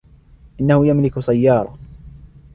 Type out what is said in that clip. إنه يملك سيارة.